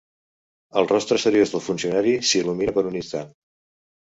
El rostre seriós del funcionari s'il·lumina per un instant.